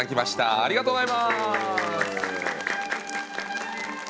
ありがとうございます！